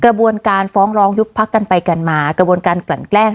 กระบวนการฟ้องร้องยุบพักกันไปกันมากระบวนการกลั่นแกล้ง